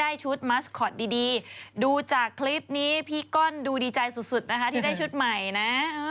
ชุดมัสคอตดีดูจากคลิปนี้พี่ก้อนดูดีใจสุดนะคะที่ได้ชุดใหม่นะ